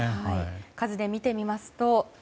数で見てみます。